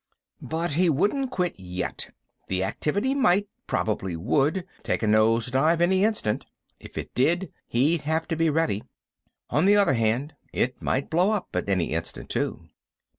But he wouldn't quit yet; the activity might—probably would—take a nose dive any instant. If it did, he'd have to be ready. On the other hand, it might blow up at any instant, too.